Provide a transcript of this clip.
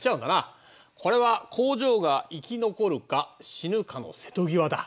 これは工場が生き残るか死ぬかの瀬戸際だ。